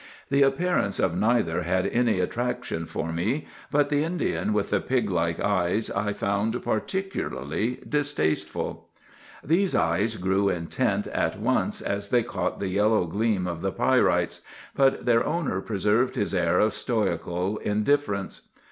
"The appearance of neither had any attraction for me, but the Indian with the pig like eyes I found particularly distasteful. "These eyes grew intent at once, as they caught the yellow gleam of the pyrites; but their owner preserved his air of stoical indifference.